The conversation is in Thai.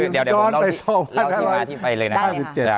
เดี๋ยวผมเล่าที่มาที่ไปเลยนะครับ